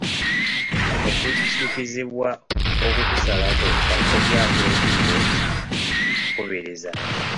Okujjukizibwa okutasalako kakodya ak'enkizo mu kukubiriza.